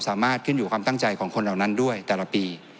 สามารถขึ้นอยู่ความตั้งใจของคนเหล่านั้นด้วยแต่ละปี